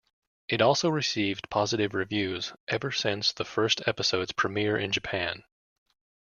It also received positive reviews ever since the first episode's premier in Japan.